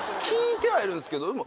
聞いてはいるんすけど。